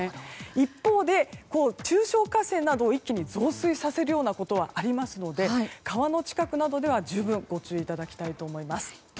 一方で中小河川など一気に増水させるようなことはありますので川の近くなどでは十分ご注意いただきたいと思います。